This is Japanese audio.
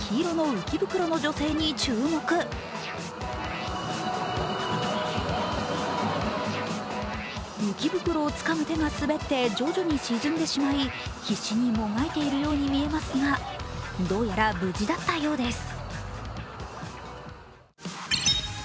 浮き袋をつかむ手が滑って徐々に沈んでしまい、必死にもがいているように見えますがどうやら無事だったようです。